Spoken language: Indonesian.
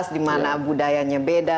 dimana budayanya beda